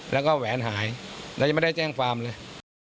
แล้วก็แหวนหายแล้วยังไม่ได้แจ้งความเลย